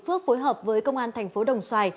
phước phối hợp với công an thành phố đồng xoài